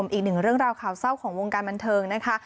อีกหนึ่งเรื่องราวข่าวเศร้าของวงการบันเทิงนะคะ